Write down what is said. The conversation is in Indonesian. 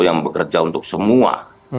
yang bekerja untuk semua